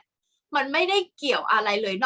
กากตัวทำอะไรบ้างอยู่ตรงนี้คนเดียว